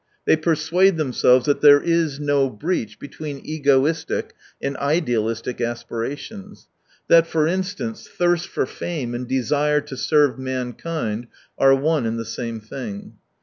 They persuade themselves that there is no breach between egoistic and idealistic aspira tions ; that, for instance, thirst for fame and desire to serve mankind are one and the same thing.